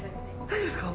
大丈夫ですか？